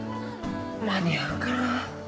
間に合うかな。